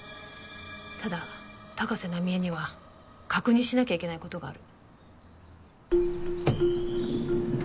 ただ高瀬奈美江には確認しなきゃいけないことがある。